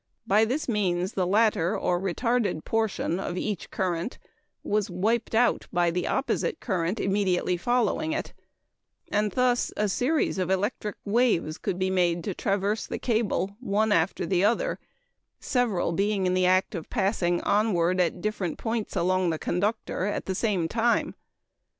By this means the latter, or retarded, portion of each current was "wiped out" by the opposite current immediately following it; and thus a series of electric waves could be made to traverse the cable, one after the other, several being in the act of passing onward at different points along the conductor at the same time.